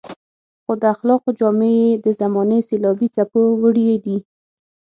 خو د اخلاقو جامې يې د زمانې سېلابي څپو وړي دي.